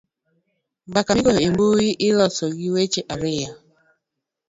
mbaka migoyo e mbui iloso gi weche ariyo